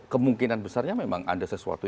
kemungkinan besarnya memang ada sesuatu